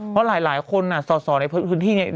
เพราะหลายคนส่อในพื้นที่เนี่ย